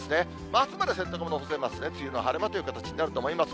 あすまで洗濯物干せますね、梅雨の晴れ間という形になると思います。